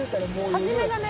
始めがね。